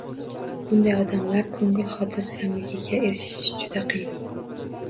Bunday odamlar ko`ngil xotirjamligiga erishishi juda qiyin